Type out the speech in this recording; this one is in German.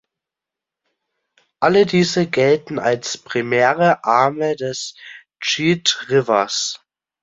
Alle diese gelten als primäre Arme des Cheat Rivers.